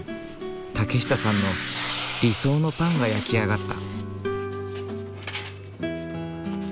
竹下さんの理想のパンが焼き上がった。